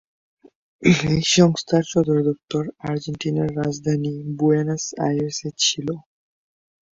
এই সংস্থার সদর দপ্তর আর্জেন্টিনার রাজধানী বুয়েনোস আইরেসে ছিল।